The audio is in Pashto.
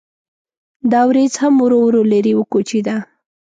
دا وریځ هم ورو ورو لرې وکوچېده.